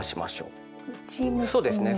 そうですね。